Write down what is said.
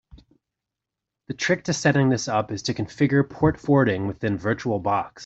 The trick to setting this up is to configure port forwarding within Virtual Box.